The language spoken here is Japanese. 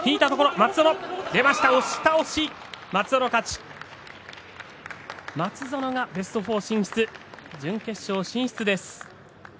松園がベスト４進出準決勝進出です。